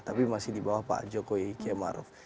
tapi masih di bawah pak jokowi kiamaruf